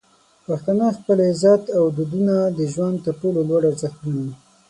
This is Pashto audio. پښتانه خپل عزت او دودونه د ژوند تر ټولو لوړ ارزښت ګڼي.